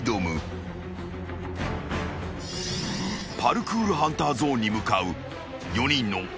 ［パルクールハンターゾーンに向かう４人の逃走者たち］